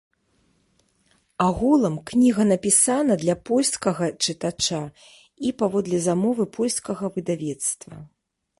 Агулам, кніга напісана для польскага чытача і паводле замовы польскага выдавецтва.